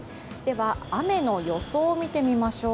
雨の予想を見てみましょう。